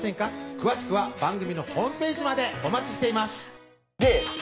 詳しくは番組のＨＰまでお待ちしています